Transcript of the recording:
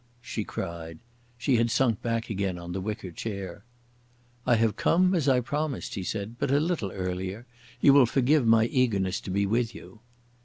she cried. She had sunk back again on the wicker chair. "I have come as I promised," he said, "but a little earlier. You will forgive me my eagerness to be with you."